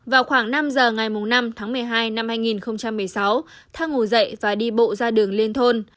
vào khoảng năm giờ ngày năm tháng một mươi hai năm hai nghìn một mươi sáu thang ngủ dậy và đi bộ ra đường liên thôn